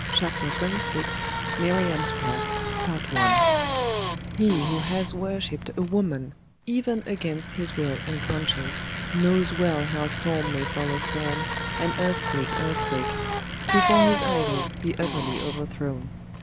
CHAPTER XXVI: MIRIAM'S PLOT He who has worshipped a woman, even against his will and conscience, knows well how storm may follow storm, and earthquake earthquake, before his idol be utterly overthrown.